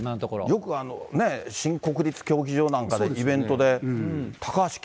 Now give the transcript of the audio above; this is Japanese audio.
よく、新国立競技場なんかイベントで、「日本製鉄中！」